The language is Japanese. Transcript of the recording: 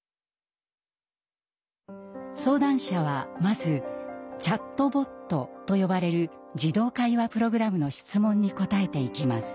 相談者はまずチャットボットと呼ばれる自動会話プログラムの質問に答えていきます。